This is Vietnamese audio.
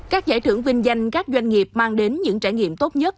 các giải thưởng vinh danh các doanh nghiệp mang đến những trải nghiệm tốt nhất